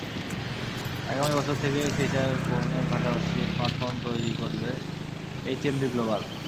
আগামী বছর থেকে ফিচার ফোনের পাশাপাশি স্মার্টফোন তৈরি করবে এইচএমডি গ্লোবাল।